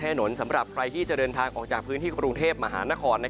ถนนสำหรับใครที่จะเดินทางออกจากพื้นที่กรุงเทพมหานคร